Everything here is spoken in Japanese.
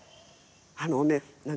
あのね